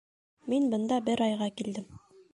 Мин бында бер айға килдем.